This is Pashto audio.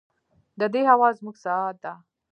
د دې هوا زموږ ساه ده